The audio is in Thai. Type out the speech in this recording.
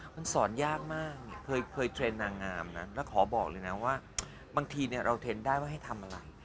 มันสอนยากมากเนี่ยเคยเทรนด์นางงามนะแล้วขอบอกเลยนะว่าบางทีเราเทรนด์ได้ว่าให้ทำอะไร